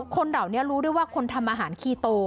คนเหล่านี้รู้ด้วยว่าคนทำอาหารคีโต